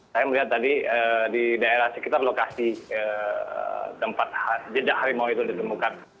saya melihat tadi di daerah sekitar lokasi tempat jejak harimau itu ditemukan